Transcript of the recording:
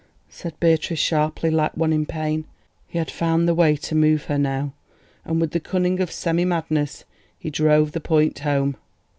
_" said Beatrice sharply, like one in pain. He had found the way to move her now, and with the cunning of semi madness he drove the point home.